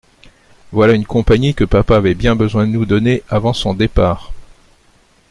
Voilà une compagnie que papa avait bien besoin de nous donner avant son départ !